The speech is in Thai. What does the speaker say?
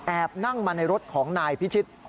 นั่งมาในรถของนายพิชิต